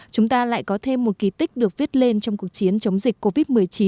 chúng ta lại có thêm một kỳ tích được viết lên trong cuộc chiến chống dịch covid một mươi chín